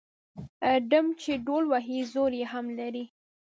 ـ ډم چې ډول وهي زور يې هم لري.